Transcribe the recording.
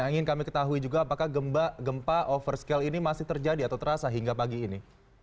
yang ingin kami ketahui juga apakah gempa overscale ini masih terjadi atau terasa hingga pagi ini